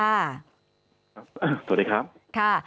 สวัสดีครับ